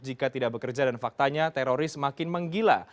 jika tidak bekerja dan faktanya teroris semakin menggila